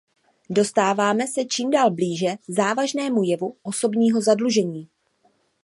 Dostáváme se čím dál blíže závažnému jevu osobního zadlužení.